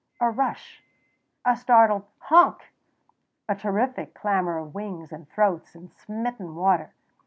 A rush, a startled honk! a terrific clamor of wings and throats and smitten water.